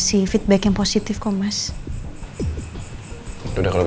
sebelah sana pak